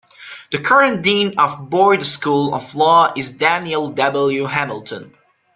The current dean of the Boyd School of Law is Daniel W. Hamilton.